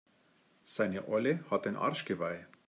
Seine Olle hat ein Arschgeweih.